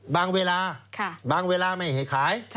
เวลาบางเวลาไม่ให้ขาย